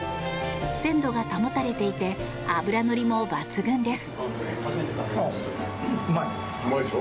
鮮度が保たれていて脂のりも抜群です。